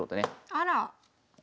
あら！